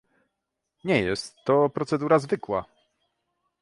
Nie jest to procedura zwykła